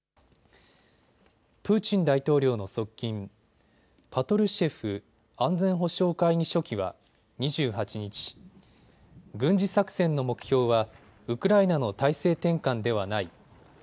プーチン大統領の側近、パトルシェフ安全保障会議書記は２８日、軍事作戦の目標はウクライナの体制転換ではない。